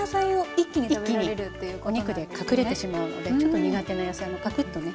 一気にお肉で隠れてしまうのでちょっと苦手な野菜もパクッとね